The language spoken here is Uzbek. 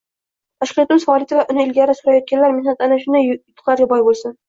Tashkilotimiz faoliyati va uni ilgari surayotganlar mehnati mana shunday yutuqlarga boy bo'lsin.